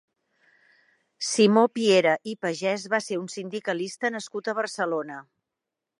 Simó Piera i Pagès va ser un sindicalista nascut a Barcelona.